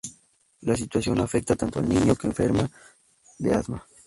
La situación afecta tanto al niño, que enferma de asma.